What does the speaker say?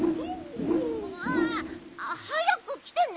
うわぁはやくきてね。